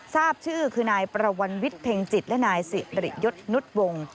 ทราบชื่อคือนายประวันวิทย์เพ็งจิตและนายสิริยศนุษย์วงศ์